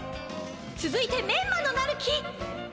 つづいてメンマのなる木！